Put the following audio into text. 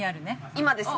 今ですね。